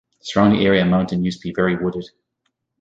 The surrounding area and mountain used to be very wooded.